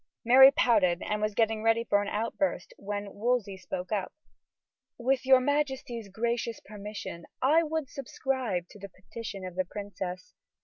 Mary pouted, and was getting ready for an outburst, when Wolsey spoke up: "With your majesty's gracious permission, I would subscribe to the petition of the princess.